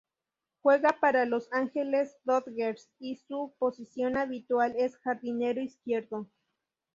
Juega para Los Angeles Dodgers y su posición habitual es jardinero izquierdo.